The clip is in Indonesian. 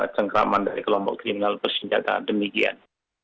cengkraman dari kelompok kriminal bersenjata demikian